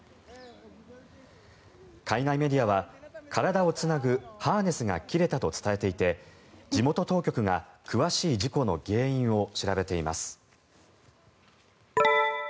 海外メディアは体をつなぐハーネスが切れたと伝えていて地元当局が詳しい事故の原因を調べています。